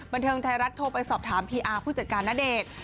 บันเทิงไทยรัฐโทรไปสอบถามพีอาร์ผู้จัดการณเดชน์